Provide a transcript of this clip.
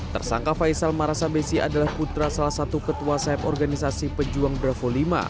tersangka faisal marasabesi adalah putra salah satu ketua sayap organisasi pejuang bravo lima